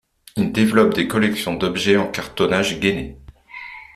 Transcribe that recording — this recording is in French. Il développe des collections d’objets en cartonnage gainé.